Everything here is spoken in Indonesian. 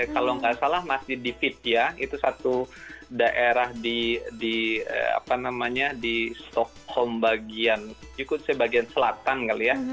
kalau nggak salah masjid di fit ya itu satu daerah di stockholm bagian selatan kali ya